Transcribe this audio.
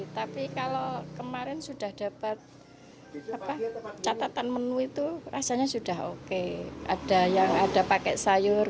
tapi kalau kemarin sudah dapat catatan menu itu rasanya sudah oke ada yang ada pakai sayur